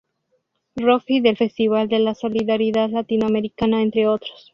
Rock y del Festival de la Solidaridad Latinoamericana, entre otros.